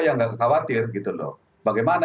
yang nggak khawatir gitu loh bagaimana